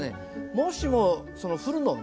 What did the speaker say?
もしもその振るのをね